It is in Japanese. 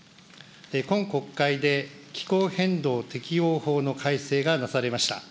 今国会で気候変動適応法の改正がなされました。